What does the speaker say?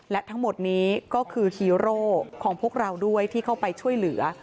และทั้งหมดนี้ก็คือฮีโร่ของพวกเราด้วยที่เข้าไปช่วยเหลือ